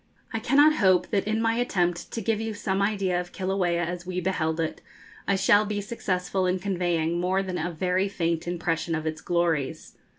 I cannot hope that in my attempt to give you some idea of Kilauea as we beheld it, I shall be successful in conveying more than a very faint impression of its glories.